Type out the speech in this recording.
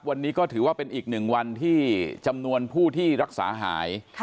วันนี้ก็ถือว่าเป็นอีกหนึ่งวันที่จำนวนผู้ที่รักษาหาย